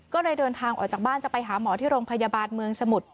ก็เลยเดินทางออกจากบ้านจะไปหาหมอที่โรงพยาบาลเมืองสมุทร